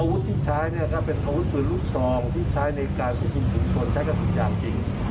อาวุธที่ใช้เนี่ยครับเป็นอาวุธปืนลูก๒ที่ใช้ในการสะกินผู้โชคใช้กันสุดยาวจริง